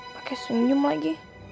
pakai senyum lagi